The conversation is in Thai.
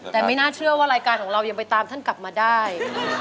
แต่ไม่น่าเชื่อว่ารายการของเรายังไปตามท่านกลับมาได้